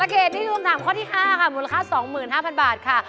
คำถามข้อที่๕ค่ะมูลราคา๒๕๐๐๐บาทค่ะ